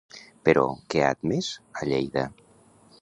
Però, què ha admès a Lleida?